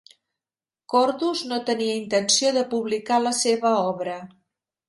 Cordus no tenia intenció de publicar la seva obra.